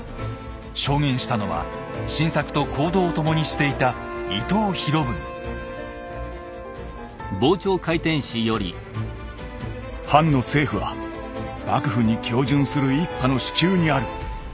証言したのは晋作と行動を共にしていた「藩の政府は幕府に恭順する一派の手中にある。